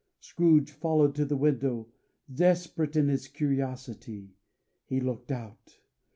Scrooge followed to the window; desperate in his curiosity. He looked out.